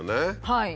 はい。